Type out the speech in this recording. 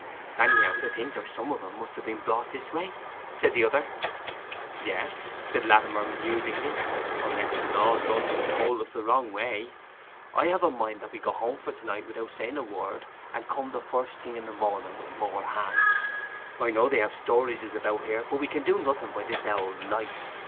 'Anyhow, the things, or some of 'em, must have been brought this way,' said the other. 'Yes,' said Latimer musingly. 'Unless 'tis all done to tole us the wrong way. I have a mind that we go home for to night without saying a word, and come the first thing in the morning with more hands. I know they have storages about here, but we can do nothing by this owl's light.